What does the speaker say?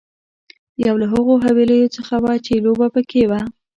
یو له هغو حويليو څخه وه چې لوبه پکې وه.